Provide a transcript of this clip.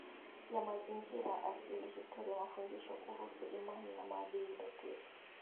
ya mazingira asili historia mafundisho kuhusu imani na maadili desturi